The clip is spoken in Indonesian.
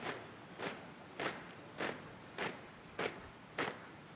kepada sang merah putih